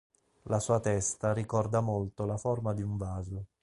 La sua testa ricorda molto la forma di un vaso.